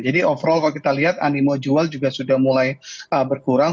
jadi overall kalau kita lihat animo jual juga sudah mulai berkurang